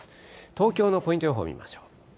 東京のポイント予報見ましょう。